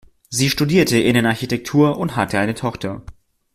Sie studierte Innenarchitektur und hatte eine Tochter.